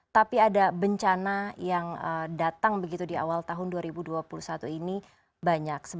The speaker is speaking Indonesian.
tapi ada bencana yang datang begitu di awal tahun dua ribu dua puluh satu ini banyak